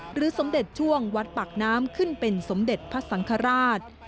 สมเด็จช่วงวัดปากน้ำขึ้นเป็นสมเด็จพระสังฆราช